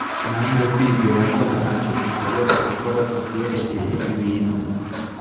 Nanze kwizera ko ntacyo dushobora gukora kubyerekeye ibintu